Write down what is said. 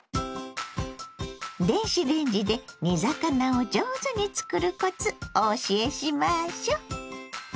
電子レンジで煮魚を上手に作るコツお教えしましょう。